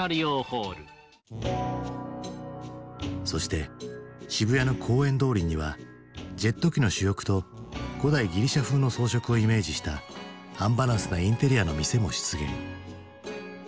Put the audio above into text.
そして渋谷の公園通りにはジェット機の主翼と古代ギリシャ風の装飾をイメージしたアンバランスなインテリアの店も出現。